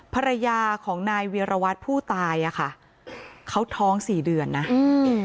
ภรรยาของนายเวียรวัตรผู้ตายอ่ะค่ะเขาท้องสี่เดือนนะอืม